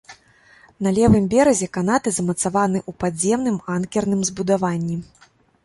На левым беразе канаты замацаваны ў падземным анкерным збудаванні.